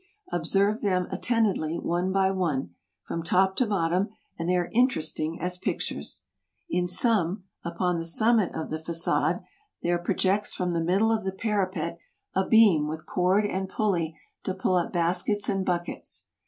Observe them attentively one by one, from top to bottom, and they are interesting as pictures. In some, upon the summit of the facade, there projects 200 TRAVELERS AND EXPLORERS from the middle of the parapet a beam with cord and pulley to pull up baskets and buckets.